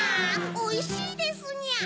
おいしいですにゃ！